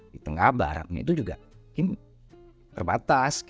di tengah barangnya itu juga mungkin terbatas